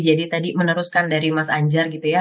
jadi tadi meneruskan dari mas anjar gitu ya